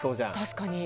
確かに。